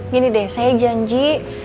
gini deh saya janji